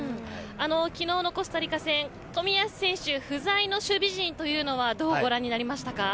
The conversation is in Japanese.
昨日のコスタリカ戦冨安選手不在の守備陣はどうご覧になりましたか？